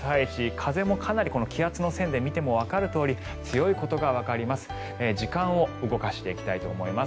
風もかなり気圧の線で見てもわかるとおり強いことがわかります。